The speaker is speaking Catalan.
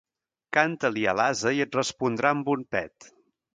Canta-li a l'ase i et respondrà amb un pet.